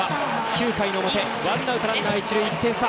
９回の表、ワンアウトランナー、一塁、１点差。